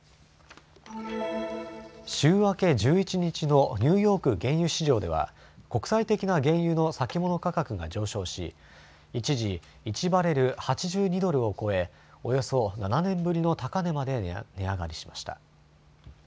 週明け１１日のニューヨーク原油市場では国際的な原油の先物価格が上昇し一時、１バレル８２ドルを超えおよそ７年ぶりの高値まで値上がりしました。